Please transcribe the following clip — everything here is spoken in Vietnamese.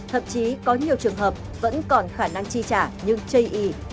thậm chí có nhiều trường hợp vẫn còn khả năng chi trả nhưng chây ý